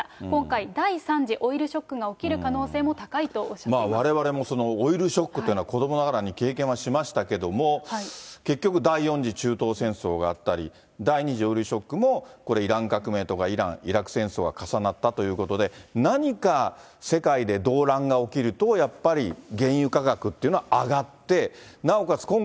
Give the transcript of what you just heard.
今回、第３次オイルショックが起きる可能性も高いとおっしゃってわれわれもオイルショックっていうのは、子どもながらに経験はしましたけれども、結局、第４次中東戦争があったり、第２次オイルショックもこれ、イラン革命とか、イラン・イラク戦争が重なったということで、何か世界で動乱が起きると、やっぱり原油価格っていうのは上がって、なおかつ